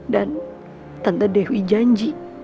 dan tante dewi janji